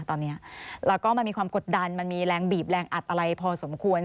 ตอนนี้แล้วก็มันมีความกดดันมันมีแรงบีบแรงอัดอะไรพอสมควร